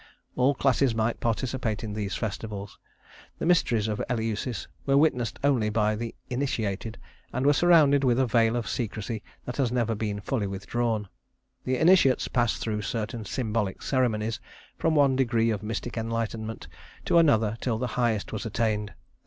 All classes might participate in these festivals. The Mysteries of Eleusis were witnessed only by the initiated, and were surrounded with a veil of secrecy that has never been fully withdrawn. The initiates passed through certain symbolic ceremonies from one degree of mystic enlightenment to another till the highest was attained.